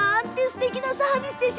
すてきなサービス。